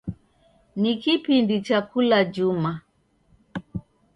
Ni kipindi cha kula juma.